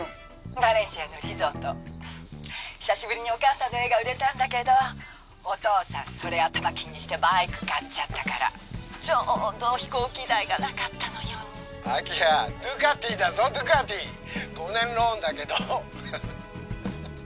バレンシアのリゾート久しぶりにお母さんの絵が売れたんだけどお父さんそれ頭金にしてバイク買っちゃったからちょうど飛行機代がなかったのよ明葉ドゥカティだぞドゥカティ５年ローンだけどハハッ